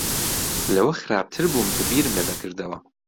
لەوە خراپتر بوو کە بیرم لێ دەکردەوە.